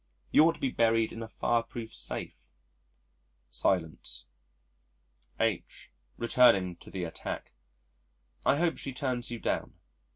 "You ought to be buried in a fireproof safe." Silence. H. (returning to the attack), "I hope she turns you down."